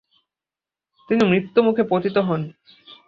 তিনি মৃত্যুমুখে পতিত হন।